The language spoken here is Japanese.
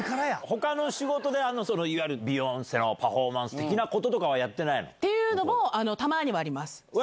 ほかの仕事で、いわゆるビヨンセのパフォーマンス的なこととかはやってないの？というのも、たまにはあります。